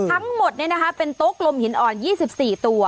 ทั้งหมดเนี่ยนะคะเป็นโต๊ะกลมหินอ่อน๒๔ตัว